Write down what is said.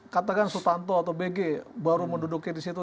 katakan sutanto atau bg baru menduduki disitu